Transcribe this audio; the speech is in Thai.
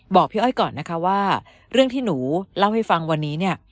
บอกพี่อ้อยก่อนนะคะว่าเรื่องที่หนูเล่าให้ฟังวันนี้เนี่ย